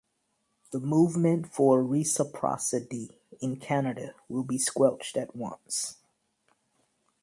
The movement for reciprocity in Canada will be squelched at once.